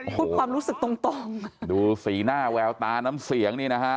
ความรู้สึกตรงตรงดูสีหน้าแววตาน้ำเสียงนี่นะฮะ